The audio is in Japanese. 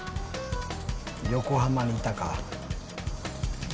横浜にいたか。